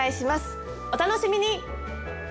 お楽しみに！